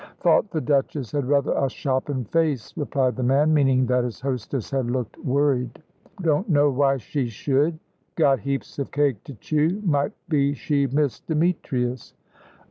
"Thought the Duchess had rather a shoppin' face," replied the man, meaning that his hostess had looked worried. "Don't knew why she should. Got heaps of cake to chew. Might be she missed Demetrius."